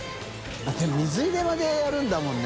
任眇入れまでやるんだもんね。